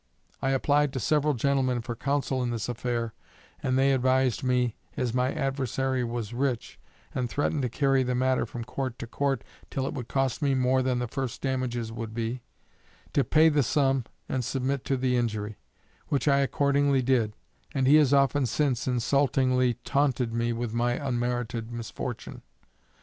I applied to several gentlemen for counsel in this affair, and they advised me, as my adversary was rich, and threatened to carry the matter from court to court till it would cost me more than the first damages would be, to pay the sum and submit to the injury; which I accordingly did, and he has often since insultingly taunted me with my unmerited misfortune.